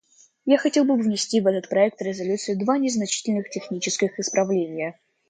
Я хотел бы внести в этот проект резолюции два незначительных технических исправления.